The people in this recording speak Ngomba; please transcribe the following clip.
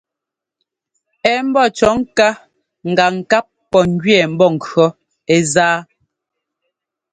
Ɛ̌ mbɔ́ cʉ̈ɔ ŋká gǎŋ ŋkap pɔ̂ njʉɛɛ mbɔnkʉ̈ɔ ɛ́ zá.